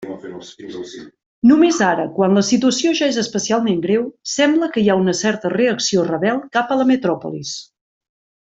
Només ara, quan la situació ja és especialment greu, sembla que hi ha una certa reacció rebel cap a la metròpolis.